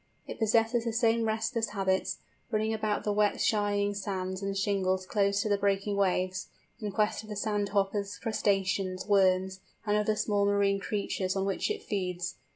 It possesses the same restless habits; running about the wet shining sands and shingles close to the breaking waves, in quest of the sand hoppers, crustaceans, worms, and other small marine creatures on which it feeds.